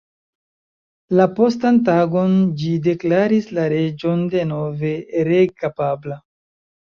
La postan tagon ĝi deklaris la reĝon denove reg-kapabla.